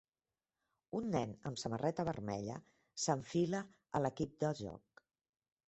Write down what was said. Un nen amb samarreta vermella s'enfila a l'equip de joc.